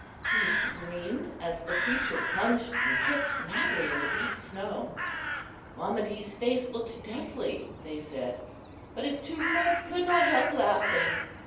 he screamed, as the creature plunged and kicked madly in the deep snow. Wamedee's face looked deathly, they said; but his two friends could not help laughing.